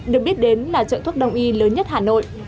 được biết đến là chợ thuốc đông y lớn nhất hà nội